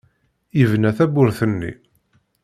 Yebna tawwurt-nni.